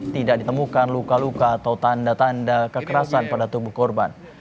tidak ditemukan luka luka atau tanda tanda kekerasan pada tubuh korban